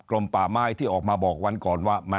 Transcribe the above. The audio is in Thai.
ลมป่าไม้ที่ออกมาบอกวันก่อนว่า